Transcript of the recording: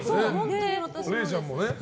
れいちゃんもね。